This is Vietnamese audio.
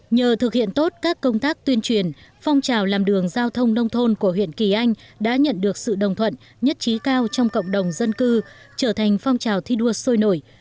nhờ thực hiện tốt các công tác tuyên truyền phong trào làm đường giao thông nông thôn của huyện kỳ anh đã nhận được sự đồng thuận nhất trí cao trong cộng đồng dân cư trở thành phong trào thi đua sôi nổi